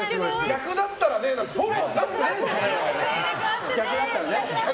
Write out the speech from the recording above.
逆だったらねがフォローになってないのよ！